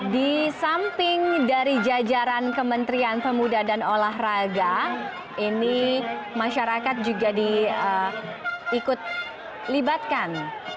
di samping dari jajaran kementerian pemuda dan olahraga ini masyarakat juga diikut libatkan